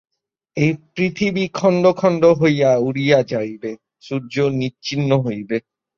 এই পৃথিবী খণ্ড খণ্ড হইয়া উড়িয়া যাইবে, সূর্য নিশ্চিহ্ন হইবে।